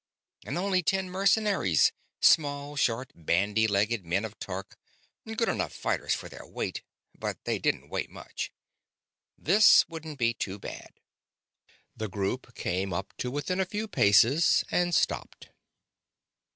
And only ten mercenaries small, short, bandy legged men of Tark good enough fighters for their weight, but they didn't weigh much. This wouldn't be too bad. The group came up to within a few paces and stopped.